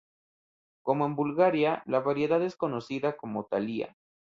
Como en Bulgaria, la variedad es conocida como thalia.